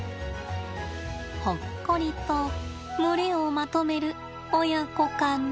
ほっこりと群れをまとめる親子かな。